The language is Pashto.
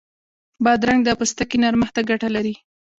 بادرنګ د پوستکي نرمښت ته ګټه لري.